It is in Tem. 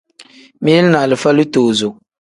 Mili ni alifa litozo.